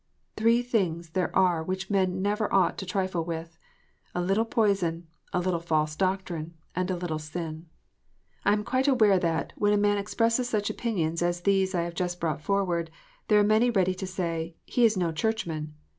Three things there are which men never ought to trifle with, a little poison, a little false doctrine, and a little sin. I am quite aware that when a man expresses such opinions as those I have just brought forward, there are many ready to say, "He is no Churchman."